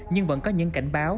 nhưng vẫn có những cảnh báo